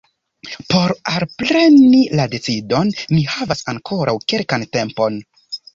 Por alpreni la decidon mi havas ankoraŭ kelkan tempon.